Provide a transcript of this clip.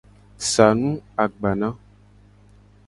Sa nu agbana.